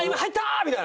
みたいな。